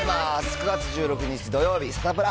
９月１６日土曜日、サタプラ。